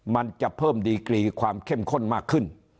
มันจะเพิ่มดีกรีความเข้มข้นมากขึ้น